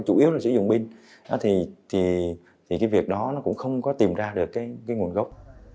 chủ yếu là sử dụng pin thì cái việc đó nó cũng không có tìm ra được cái nguồn gốc